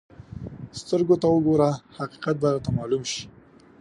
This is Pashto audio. سترګو ته وګوره، حقیقت به درته معلوم شي.